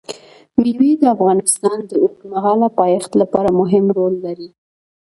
مېوې د افغانستان د اوږدمهاله پایښت لپاره مهم رول لري.